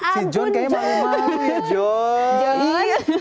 si john kayaknya baru baru ya